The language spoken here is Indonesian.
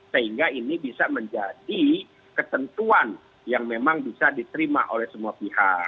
sehingga ini bisa menjadi ketentuan yang memang bisa diterima oleh semua pihak